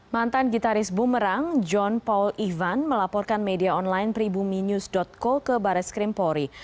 mantan gitaris bumerang john paul ivan melaporkan media online pribumi news co ke baris krimpori